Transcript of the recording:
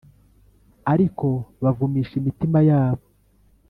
Ariko bavumisha imitima yabo